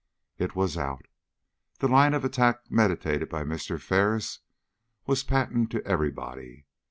It was out. The line of attack meditated by Mr. Ferris was patent to everybody.